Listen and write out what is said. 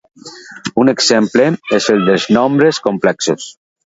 Un exemple és el dels nombres complexos.